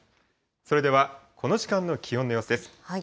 それではこの時間の気温の様子です。